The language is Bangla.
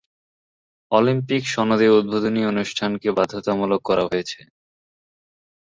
অলিম্পিক সনদে উদ্বোধনী অনুষ্ঠানকে বাধ্যতামূলক করা হয়েছে।